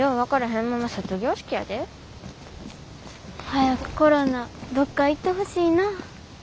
早くコロナどっか行ってほしいなあ。